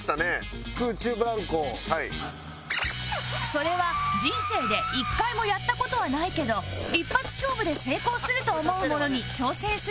それは人生で１回もやった事はないけど一発勝負で成功すると思うものに挑戦する企画で